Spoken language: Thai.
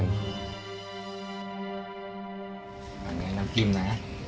อันนี้น้ำจิ้มนะ